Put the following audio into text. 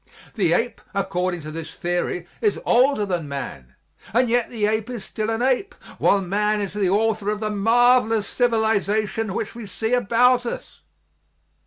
The ape, according to this theory, is older than man and yet the ape is still an ape while man is the author of the marvelous civilization which we see about us.